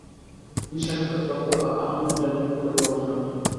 তিনি সেখানকার ড. আর আহমেদ ডেন্টাল কলেজে পড়াশোনা করেন।